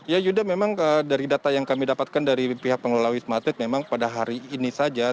ya yuda memang dari data yang kami dapatkan dari pihak pengelola wisma atlet memang pada hari ini saja